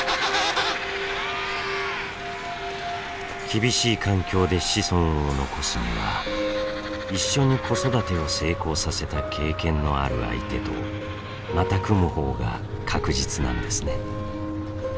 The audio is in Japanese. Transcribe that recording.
厳しい環境で子孫を残すには一緒に子育てを成功させた経験のある相手とまた組む方が確実なんですね。